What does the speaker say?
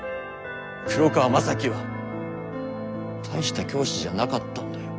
黒川政樹は大した教師じゃなかったんだよ。